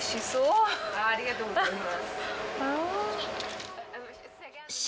ありがとうございます。